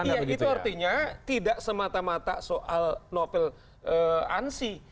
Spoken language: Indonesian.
iya itu artinya tidak semata mata soal novel ansi